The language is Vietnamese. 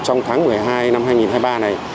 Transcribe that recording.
trong tháng một mươi hai năm hai nghìn hai mươi ba này